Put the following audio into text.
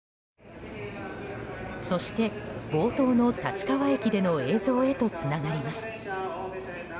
そして、冒頭の立川駅での映像へとつながります。